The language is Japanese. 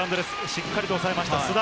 しっかりと抑えました、須田。